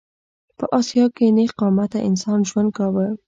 په اسیا کې نېغ قامته انسان ژوند کاوه.